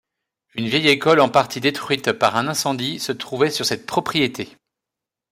Une vieille école en partie détruite par un incendie se trouvait sur cette propriété.